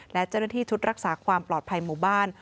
และเจ้าหน้าที่ชุดรักษาความปลอดภัยหมู่บ้าน